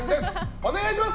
お願いします。